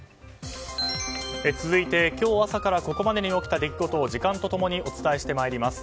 続いて今日朝からここまでに起きた出来事を時間と共にお伝えしてまいります。